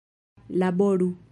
laboru